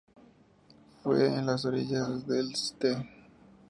Fue en las orillas del St.